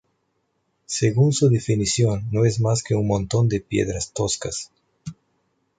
Según su definición no es más que un montón de piedras toscas.